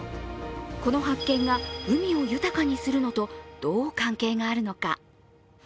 この発見が海を豊かにするのとどう関係があるのか。